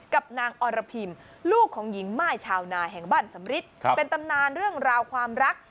กับนางอรพิมลูกของหญิงม่ายชาวนาแห่งบ้านสำริทเป็นตำนานเรื่องราวความรัก